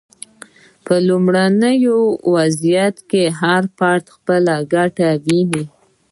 په لومړني وضعیت کې هر فرد خپله ګټه ویني.